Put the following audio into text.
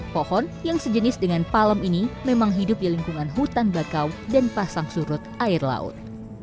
pohon yang sejenis dengan palem ini memang hidup di lingkungan hutan bakau dan pasang surut air laut